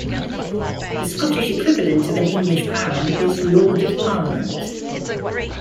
The Scottish equivalent of an English baron is "Lord of Parliament".